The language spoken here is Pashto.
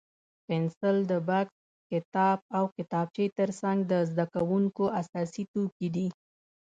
پنسل د بکس، کتاب او کتابچې تر څنګ د زده کوونکو اساسي توکي دي.